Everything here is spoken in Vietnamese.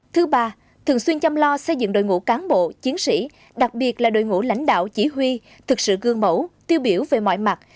thứ ba thường xuyên chăm lo xây dựng đội ngũ cán bộ chiến sĩ đặc biệt là đội ngũ lãnh đạo chỉ huy thực sự gương mẫu tiêu biểu về mọi mặt